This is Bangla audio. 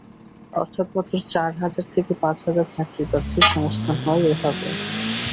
অর্থাৎ মাত্র চার হাজার থেকে পাঁচ হাজার চাকরিপ্রার্থীর সংস্থান হয় এভাবে।